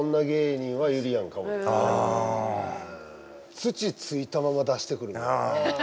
土ついたまま出してくるみたいな。